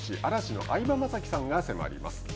嵐の相葉雅紀さんが迫ります。